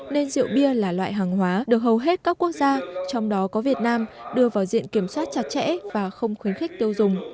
nên rượu bia là loại hàng hóa được hầu hết các quốc gia trong đó có việt nam đưa vào diện kiểm soát chặt chẽ và không khuyến khích tiêu dùng